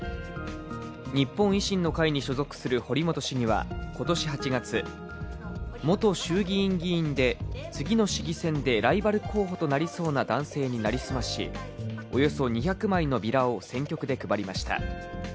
日本維新の会に所属する堀本市議は今年８月、元衆議院議員で次の市議選でライバル候補となりそうな男性に成り済ましおよそ２００枚のビラを選挙区で配りました。